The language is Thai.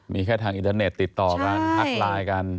มีแค่ทางอินเทอร์เน็ตติดต่อกันทักไลน์กัน